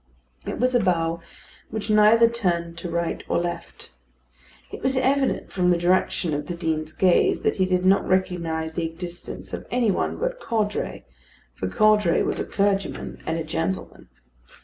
It was a bow which neither turned to right or left. It was evident from the direction of the Dean's gaze that he did not recognise the existence of any one but Caudray, for Caudray was a clergyman and a gentleman.